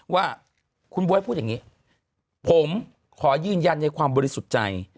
ว่าคุณบ๊วยพูดอย่างนี้ผมขอยืนยันในความบริสุทธิ์ใจ